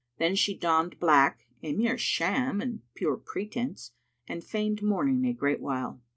Then she donned black,[FN#295] a mere sham and pure pretence; and feigned mourning a great while.